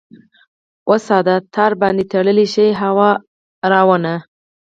وساده ! تار باندې تړلی شي هوا روانه ؟